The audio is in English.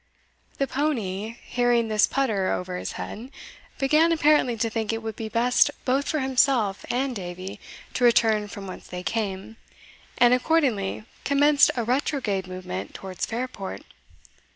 The pony, hearing this pudder over his head, began apparently to think it would be best both for himself and Davie to return from whence they came, and accordingly commenced a retrograde movement towards Fairport.